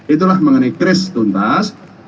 itulah mengenai kris tuntas